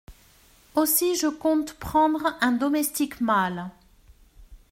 Aussi je compte prendre un domestique mâle.